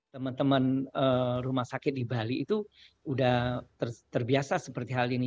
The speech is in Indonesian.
teman teman rumah sakit di bali itu sudah terbiasa seperti hal ini